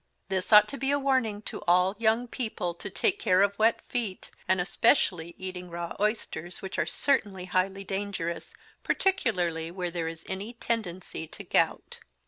This ought to be a warning to all Young people to take care of Wet feet, and Especially eating Raw oysters, which are certainly Highly dangerous, particularly where there is any Tendency to Gout.